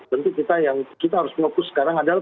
tentu kita yang kita harus fokus sekarang adalah